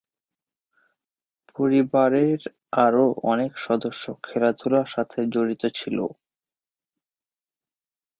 পরিবারের আরও অনেক সদস্য খেলাধুলার সাথে জড়িত ছিল।